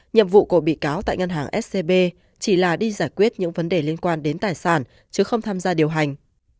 nhiệm vụ của bị cáo tại ngân hàng scb chỉ là đi giải quyết những vấn đề liên quan đến tài sản chứ không tham gia điều hành